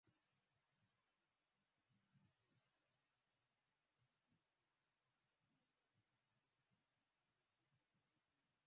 ikumbukwe kwamba kuna takriban zaidi ya silaha laki tano hadi million moja ambazo hazijulikani